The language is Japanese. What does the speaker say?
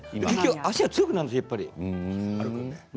足が強くなるんですよね。